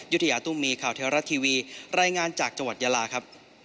ยุธยาตุ้มมีข่าวเทวรัฐทีวีรายงานจากจังหวัดยาลาครับ